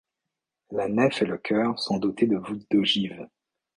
La nef et le chœur sont dotées de voûtes d'ogives.